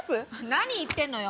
何言ってんのよ！